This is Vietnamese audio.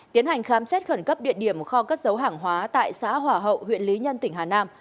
tiến hành khám xét khẩn cấp địa điểm kho cất dấu hàng hóa tại xã hỏa hậu huyện lý nhân tỉnh hà nam